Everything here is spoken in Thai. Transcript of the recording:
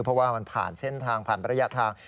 เพราะว่ามันผ่านเส้นทางผ่านระยะทาง